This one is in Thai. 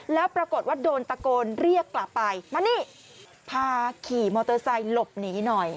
แล้วปรากฏว่าโดนตะโกนเรียกกลับไปมานี่พาขี่มอเตอร์ไซค์หลบหนีหน่อย